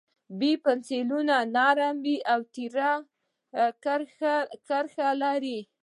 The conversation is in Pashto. B پنسلونه نرم وي او تېره کرښه لري.